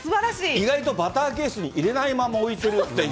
意外とバターケースに入れないまま置いてるっていう。